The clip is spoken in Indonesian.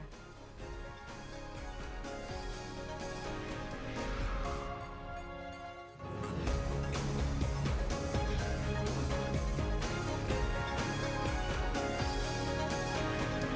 di video selanjutnya